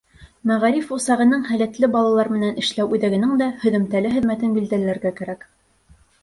Мәғариф усағының һәләтле балалар менән эшләү үҙәгенең дә һөҙөмтәле хеҙмәтен билдәләргә кәрәк.